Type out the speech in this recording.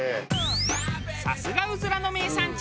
さすがうずらの名産地。